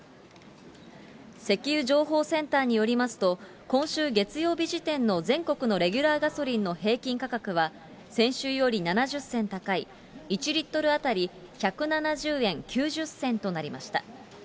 石油情報センターによりますと、今週月曜日時点の全国のレギュラーガソリンの平均価格は先週より７０銭高い、１リットル当たり１７０円９０銭となりました。